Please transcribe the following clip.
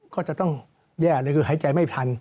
ก็จะต้องแย่เลยคือหายใจไม่ทัน